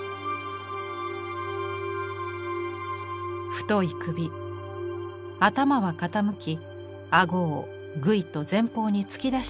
太い首頭は傾きあごをぐいと前方に突き出しています。